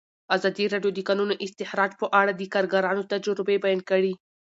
ازادي راډیو د د کانونو استخراج په اړه د کارګرانو تجربې بیان کړي.